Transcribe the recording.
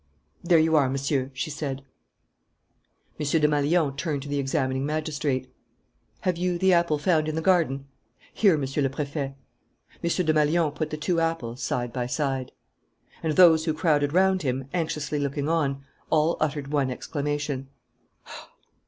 "There you are, Monsieur," she said. M. Desmalions turned to the examining magistrate. "Have you the apple found in the garden?" "Here, Monsieur le Préfet." M. Desmalions put the two apples side by side. And those who crowded round him, anxiously looking on, all uttered one exclamation.